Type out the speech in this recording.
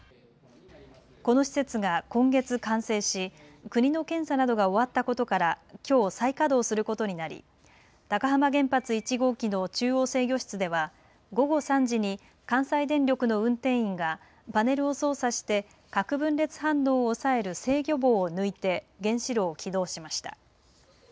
この施設が今月完成し国の検査などが終わったことからきょう再稼働することになり高浜原発１号機の中央制御室では午後３時に関西電力の運転員がパネルを操作して核分裂反応を抑える制御棒を抜いて原子炉を起動しました。